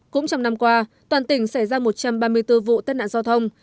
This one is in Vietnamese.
cũng trong năm qua toàn tỉnh xảy ra một trăm ba mươi bốn vụ tai nạn giao thông